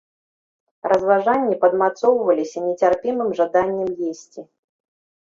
Разважанні падмацоўваліся нецярпімым жаданнем есці.